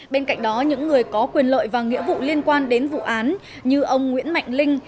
bên cạnh đó những người có quyền lợi và nghĩa vụ liên quan đến vụ án như ông nguyễn mạnh linh